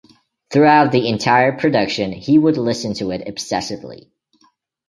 Throughout the entire production, he would listen to it obsessively.